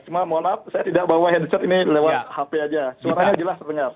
cuma mohon maaf saya tidak bawa headset ini lewat hp aja suaranya jelas terdengar